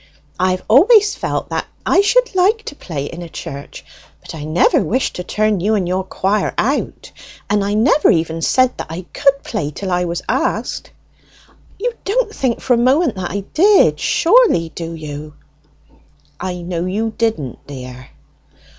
I have always felt that I should like to play in a church, but I never wished to turn you and your choir out; and I never even said that I could play till I was asked. You don't think for a moment that I did, surely, do you?" "I know you didn't, dear."